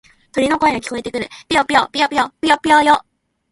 鳥の声が聞こえてくるよ。ぴよぴよ、ぴよぴよ、ぴよぴよよ。